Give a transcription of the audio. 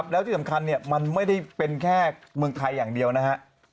แล้วที่สำคัญมันไม่ได้เป็นแค่เมืองไทยอย่างเดียวนะฮะ